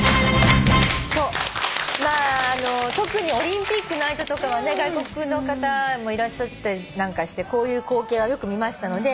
特にオリンピックの間とかはね外国の方もいらっしゃったりなんかしてこういう光景はよく見ましたので。